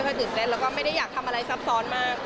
ตื่นเต้นแล้วก็ไม่ได้อยากทำอะไรซับซ้อนมาก